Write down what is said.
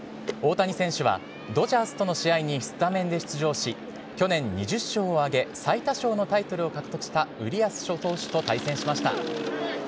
大谷選手は、ドジャースとの試合にスタメンで出場し、去年、２０勝を挙げ、最多勝のタイトルを獲得した、ウリアス投手と対戦しました。